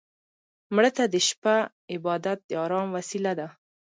مړه ته د شپه عبادت د ارام وسيله ده